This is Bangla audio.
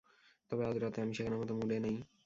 তবে, আজ রাতে আমি শেখানোর মতো মুডে নেই।